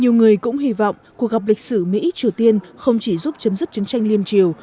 nhiều người cũng hy vọng cuộc gặp lịch sử mỹ triều tiên không chỉ giúp chấm dứt chiến tranh liên triều